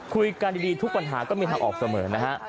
คุยกันดีทุกปัญหาก็มีทางออกเสมอนะฮะ